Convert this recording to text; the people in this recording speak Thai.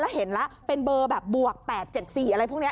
แล้วเห็นละเป็นเบอร์แบบบวกแปดเจ็ดสี่อะไรพวกนี้